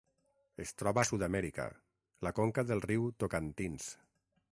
Es troba a Sud-amèrica: la conca del riu Tocantins.